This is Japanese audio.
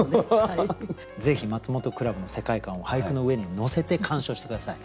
ぜひマツモトクラブの世界観を俳句の上に乗せて鑑賞して下さい。